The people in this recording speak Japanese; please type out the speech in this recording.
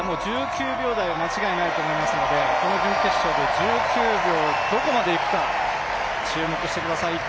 １９秒台は間違いないと思いますので、この準決勝で１９秒どこまでいくか注目してください。